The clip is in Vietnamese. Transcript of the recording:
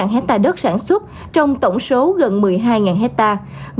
hai hectare đất sản xuất trong tổng số gần một mươi hai hectare